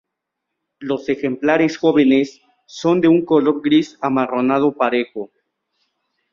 Los ejemplares jóvenes son de un color gris amarronado parejo.